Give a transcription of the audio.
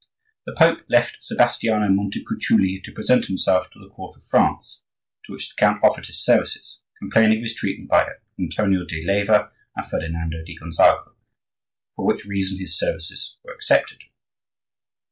The Pope left Sebastiano Montecuculi to present himself to the court of France, to which the count offered his services, complaining of his treatment by Antonio di Leyva and Ferdinando di Gonzago, for which reason his services were accepted.